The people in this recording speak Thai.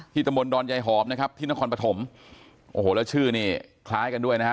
ตำบลดอนยายหอมนะครับที่นครปฐมโอ้โหแล้วชื่อนี่คล้ายกันด้วยนะฮะ